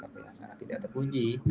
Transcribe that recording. tapi saya tidak terpuji